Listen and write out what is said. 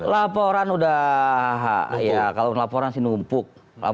laporan udah ya kalau laporan sih numpuk